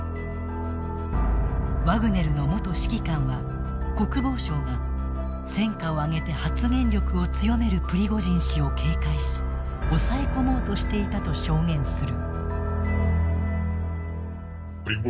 ワグネルの元指揮官は国防省が戦果を上げて発言力を強めるプリゴジン氏を警戒し抑え込もうとしていたと証言する。